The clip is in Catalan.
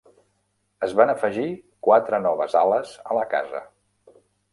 Es van afegir quatre noves ales a la casa.